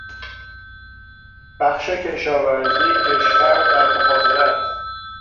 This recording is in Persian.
بخش کشاورزی کشور در مخاطره است.